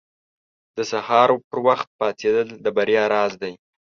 • د سهار پر وخت پاڅېدل د بریا راز دی.